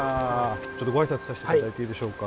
ちょっとご挨拶させていただいていいでしょうか。